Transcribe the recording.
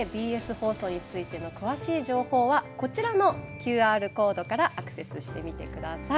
放送についての詳しい情報はこちらのＱＲコードからアクセスしてみてください。